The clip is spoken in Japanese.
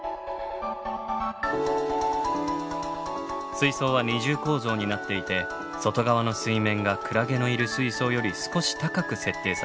水槽は二重構造になっていて外側の水面がクラゲのいる水槽より少し高く設定されています。